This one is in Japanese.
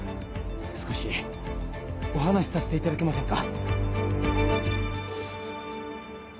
少しお話しさせていただけませんか？